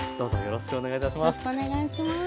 よろしくお願いします。